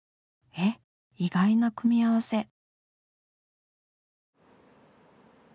え意外な組み合わせ！